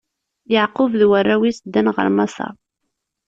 Yeɛqub d warraw-is ddan ɣer Maseṛ.